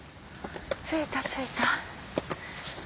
着いた着いた。